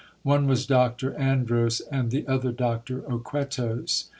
One was Doctor Andros, and the other Doctor Oquetos.